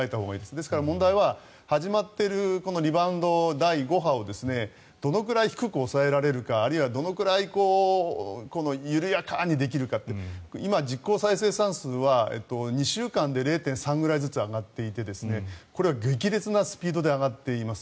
ですから、問題は始まっているリバウンド、第５波をどのくらい低く抑えられるかあるいはどのくらい緩やかにできるか今、実効再生産数は２週間で０．３ずつぐらい上がっていてこれは激烈なスピードで上がっています。